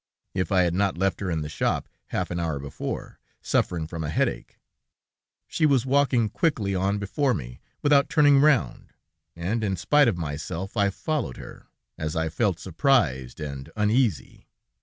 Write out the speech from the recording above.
if I had not left her in the shop half an hour before, suffering from a headache. She was walking quickly on before me, without turning round, and, in spite of myself, I followed her, as I felt surprised and uneasy.